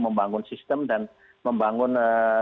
membangun sistem dan membangun